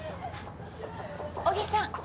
小木さん